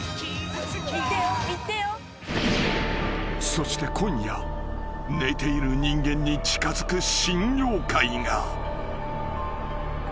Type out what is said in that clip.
［そして今夜寝ている人間に近づく新妖怪が］